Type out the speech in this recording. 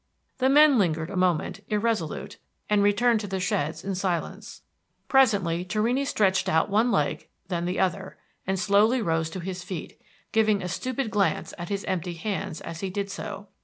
The men lingered a moment, irresolute, and returned to the sheds in silence. Presently Torrini stretched out one leg, then the other, and slowly rose to his feet, giving a stupid glance at his empty hands as he did so.